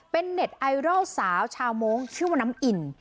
เป็นเน็ตไอดอลสาวชาวโม้งชื่อว่าน้ำอิ่น